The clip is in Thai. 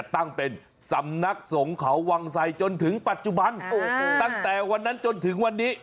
ตั้งเป็นสำนักสงเขาวังไสจนถึงปัจจุบันตั้งแต่วันนั้นจนถึงวันนี้